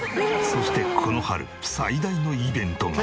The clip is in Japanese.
そしてこの春最大のイベントが。